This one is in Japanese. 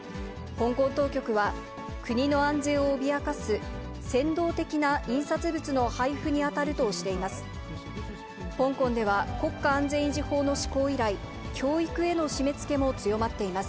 香港当局は、国の安全を脅かす扇動的な印刷物の配布に当たるとしています。